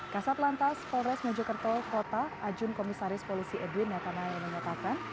kasat lantas polres mojokerto kota ajun komisaris polisi edwin ya kanaya menyatakan